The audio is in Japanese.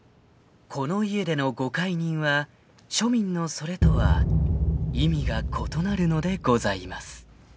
［この家でのご懐妊は庶民のそれとは意味が異なるのでございます］